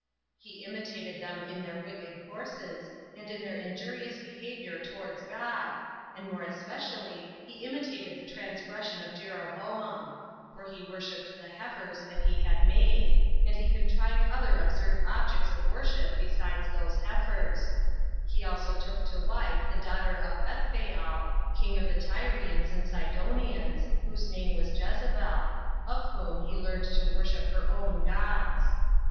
He imitated them in their wicked courses, and in their injurious behavior towards God, and more especially he imitated the transgression of Jeroboam; for he worshipped the heifers that he had made; and he contrived other absurd objects of worship besides those heifers: he also took to wife the daughter of Ethbaal, king of the Tyrians and Sidonians, whose name was Jezebel, of whom he learned to worship her own gods.